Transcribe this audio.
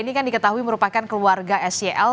ini kan diketahui merupakan keluarga sel